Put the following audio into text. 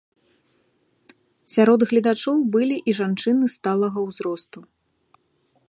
Сярод гледачоў былі і жанчыны сталага ўзросту.